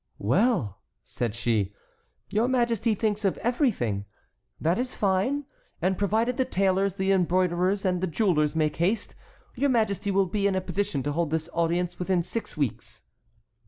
"Well," said she, "your Majesty thinks of everything. That is fine; and provided the tailors, the embroiderers, and the jewellers make haste, your Majesty will be in a position to hold this audience within six weeks."